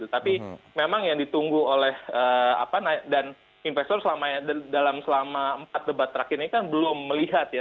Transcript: tapi memang yang ditunggu oleh dan investor dalam selama empat debat terakhir ini kan belum melihat ya